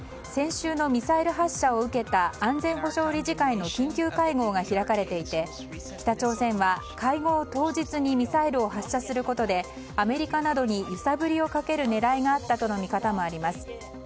先週のミサイル発射を受けた安全保障理事会の緊急会合が開かれていて北朝鮮は会合当日にミサイルを発射することでアメリカなどに揺さぶりをかける狙いがあったとの見方もあります。